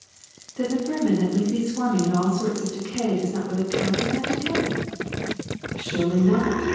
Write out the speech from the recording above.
"Then the vermin that we see swarming in all sorts of decay does not really come from that decay?" "Surely not.